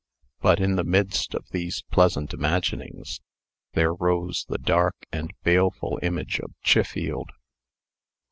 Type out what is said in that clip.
But, in the midst of these pleasant imaginings, there rose the dark and baleful image of Chiffield!